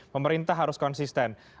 pemerintah harus konsisten